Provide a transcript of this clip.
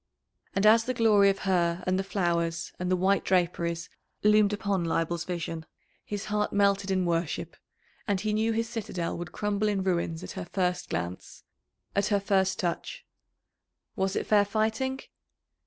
And as the glory of her and the flowers and the white draperies loomed upon Leibel's vision his heart melted in worship, and he knew his citadel would crumble in ruins at her first glance, at her first touch. Was it fair fighting?